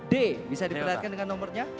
d bisa diperlihatkan dengan nomornya